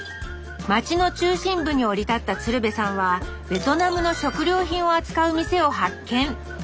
町の中心部に降り立った鶴瓶さんはベトナムの食料品を扱う店を発見。